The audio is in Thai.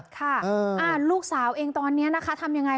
ค่ะลูกสาวเองตอนนี้ทำอย่างไร